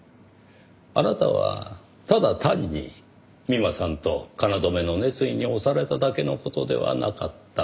あなたはただ単に美馬さんと京の熱意に押されただけの事ではなかったか。